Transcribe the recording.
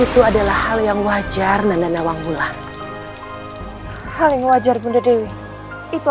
kalau nanti meng chiwis